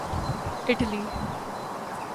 Italy